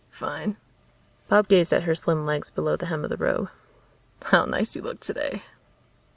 "Fine." Bob gazed at her slim legs below the hem of the robe. "How nice you look today."